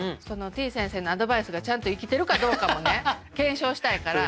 てぃ先生のアドバイスがちゃんと生きてるかどうかもね検証したいから。